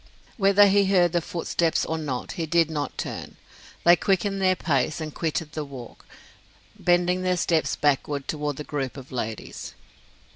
Whether he heard their footsteps or not, he did not turn. They quickened their pace, and quitted the walk, bending their steps backward toward the group of ladies.